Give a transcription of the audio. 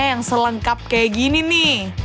yang selengkap kayak gini nih